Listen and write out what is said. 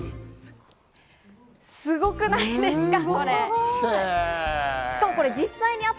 すごくないですか？